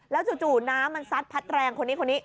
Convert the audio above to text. จู่น้ำมันซัดพัดแรงคนนี้คนนี้